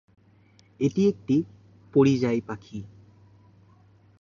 এটি একটি পরিযায়ী পাখি।